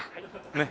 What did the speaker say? ねっ。